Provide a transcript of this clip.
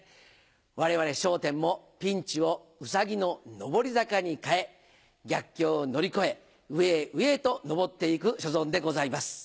我々『笑点』もピンチを兎の登り坂に変え逆境を乗り越え上へ上へと上って行く所存でございます。